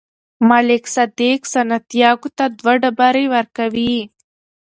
ملک صادق سانتیاګو ته دوه ډبرې ورکوي.